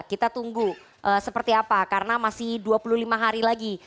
kita tunggu seperti apa karena masih dua puluh lima hari lagi